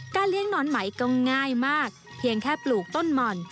เลี้ยงหนอนไหมก็ง่ายมากเพียงแค่ปลูกต้นหม่อน